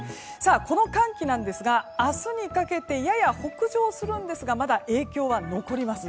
この寒気なんですが明日にかけてやや北上するんですがまだ影響は残ります。